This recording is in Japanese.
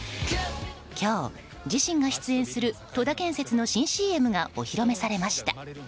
今日、自身が出演する戸田建設の新ＣＭがお披露目されました。